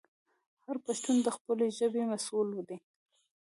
هر پښتون د خپلې ژبې مسوول دی.